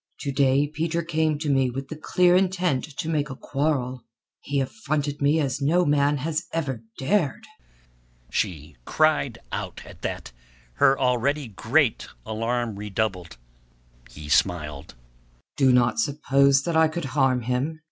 To day Peter came to me with the clear intent to make a quarrel. He affronted me as no man has ever dared." She cried out at that, her already great alarm redoubled. He smiled. "Do not suppose that I could harm him.